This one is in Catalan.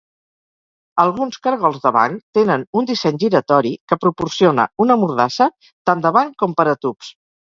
Alguns cargols de banc tenen un disseny giratori que proporciona una mordassa tant de banc com per a tubs.